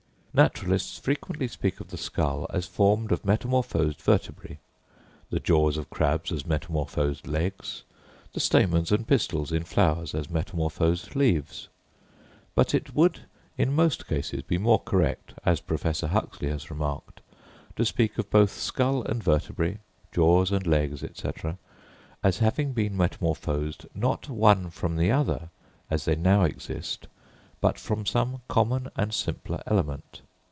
Naturalists frequently speak of the skull as formed of metamorphosed vertebræ; the jaws of crabs as metamorphosed legs; the stamens and pistils in flowers as metamorphosed leaves; but it would in most cases be more correct, as Professor Huxley has remarked, to speak of both skull and vertebræ, jaws and legs, &c., as having been metamorphosed, not one from the other, as they now exist, but from some common and simpler element.